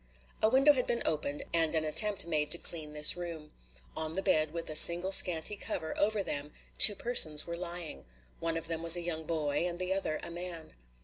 A window had been opened and an attempt made to clean this room. On the bed, with a single scanty cover over them, two persons were lying. One of them was a young boy and the other a man.